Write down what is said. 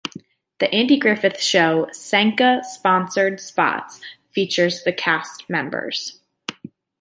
The Andy Griffith Show Sanka sponsor spots featured the cast members.